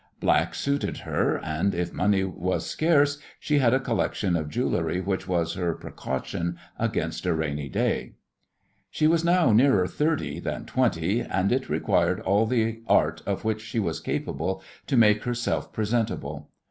Black suited her, and if money was scarce she had a collection of jewellery which was her precaution against a "rainy day." She was now nearer thirty than twenty, and it required all the art of which she was capable to make herself presentable.